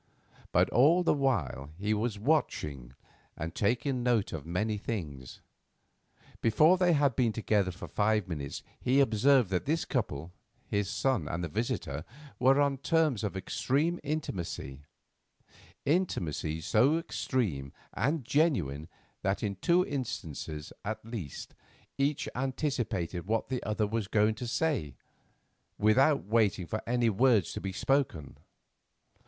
But all the while he was watching and taking note of many things. Before they had been together for five minutes he observed that this couple, his son and their visitor, were on terms of extreme intimacy—intimacy so extreme and genuine that in two instances, at least, each anticipated what the other was going to say, without waiting for any words to be spoken.